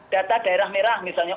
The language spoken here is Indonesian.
data daerah merah misalnya